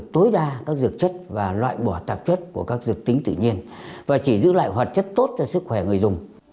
tối đa các dược chất và loại bỏ tạp chất của các dược tính tự nhiên và chỉ giữ lại hoạt chất tốt cho sức khỏe người dùng